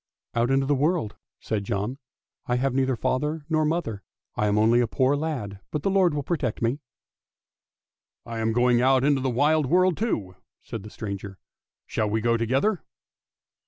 "" Out into the wide world," said John. " I have neither father nor mother, I am only a poor lad, but the Lord will protect me." "lam going out into the wide world too! " said the stranger; " shall we go together?